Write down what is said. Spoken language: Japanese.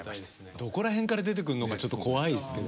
どこら辺から出てくんのかちょっと怖いっすけど。